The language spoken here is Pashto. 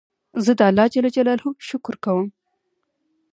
زه د الله جل جلاله شکر کوم.